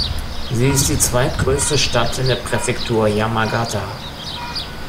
Sie ist die zweitgrößte Stadt in der Präfektur Yamagata.